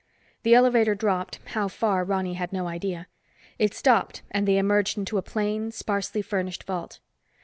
The elevator dropped, how far, Ronny had no idea. It stopped and they emerged into a plain, sparsely furnished vault.